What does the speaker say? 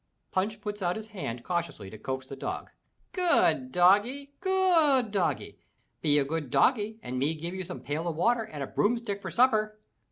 Punch puts out his hand cautiously to coax the dog. "Good doggie! Good doggie. Be a good doggie and me give you some pail of water and a broomstick for supper!"